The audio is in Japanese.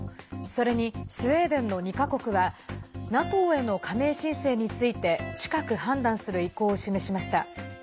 それに、スウェーデンの２か国はＮＡＴＯへの加盟申請について近く判断する意向を示しました。